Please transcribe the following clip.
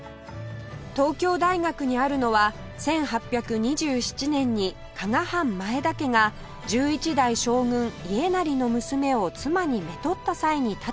東京大学にあるのは１８２７年に加賀藩前田家が１１代将軍家斉の娘を妻に娶った際に建てたものです